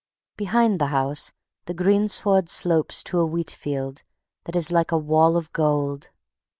Behind the house the greensward slopes to a wheat field that is like a wall of gold.